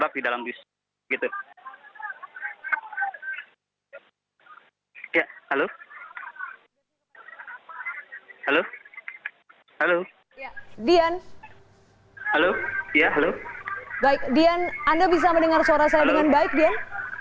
baik dian anda bisa mendengar suara saya dengan baik dian